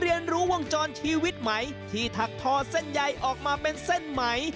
เรียนรู้วงจรชีวิตใหม่ที่ถักทอเส้นใยออกมาเป็นเส้นไหม